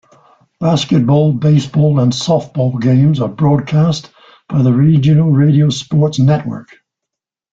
Basketball, baseball, and softball games are broadcast by the Regional Radio Sports Network.